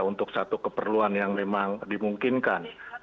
untuk satu keperluan yang memang dimungkinkan